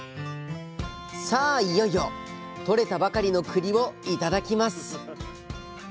さあいよいよとれたばかりのくりを頂きます。